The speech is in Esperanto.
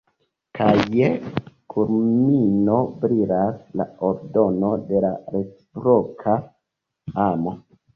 Kaj je kulmino brilas la ordono de la reciproka amo.